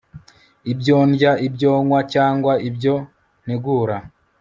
Ibyo ndya ibyo nywa cyangwa ibyo ntegura